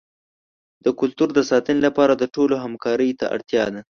د کلتور د ساتنې لپاره د ټولو همکارۍ ته اړتیا ده.